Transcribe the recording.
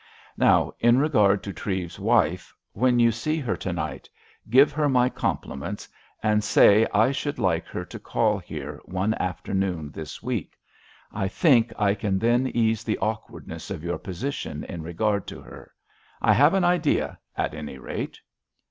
Now in regard to Treves's wife, when you see her to night, give her my compliments, and say I should like her to call here one afternoon this week. I think I can then ease the awkwardness of your position in regard to her. I have an idea at any rate."